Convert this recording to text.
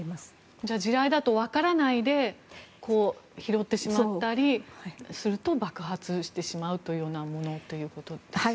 じゃあ地雷だとわからないで拾ってしまったりすると爆発してしまうというようなものということですね。